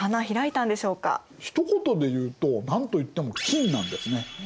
ひと言でいうとなんといっても金なんですね。